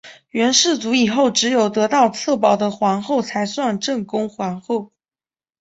元世祖以后只有得到策宝的皇后才算正宫皇后。